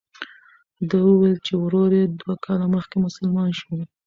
ده وویل چې ورور یې دوه کاله مخکې مسلمان شو.